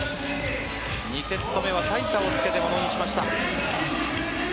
２セット目は大差をつけてものにしました。